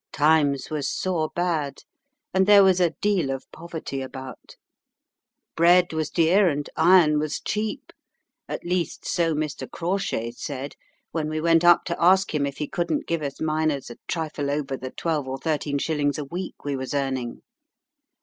Times was sore bad, and there was a deal of poverty about. Bread was dear, and iron was cheap at least so Mr. Crawshay said when we went up to ask him if he couldn't give us miners a trifle over the twelve or thirteen shillings a week we was earning.